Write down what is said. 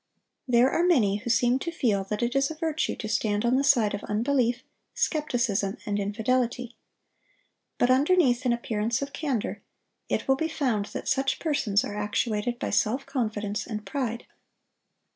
There are many who seem to feel that it is a virtue to stand on the side of unbelief, skepticism, and infidelity. But underneath an appearance of candor, it will be found that such persons are actuated by self confidence and pride.